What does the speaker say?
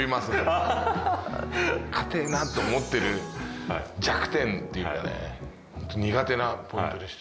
硬ぇなって思ってる弱点っていうかねホント苦手なポイントでした。